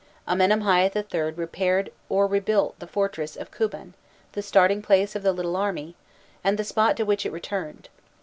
Amenemhâît III. repaired or rebuilt the fortress of Kubbân, the starting place of the little army, and the spot to which it returned.